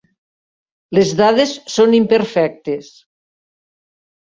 Les dades són imperfectes.